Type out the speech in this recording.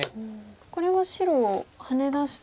これは白ハネ出して。